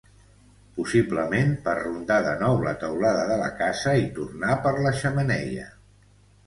Possiblement, per rondar de nou la teulada de la casa i tornar per la xemeneia.